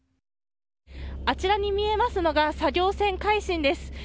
あちらに見えますのが作業船「海進」です。